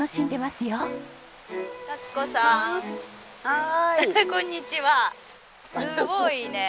すごいね。